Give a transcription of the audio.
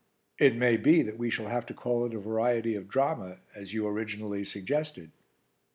It may be that we shall have to call it a variety of drama, as you originally suggested."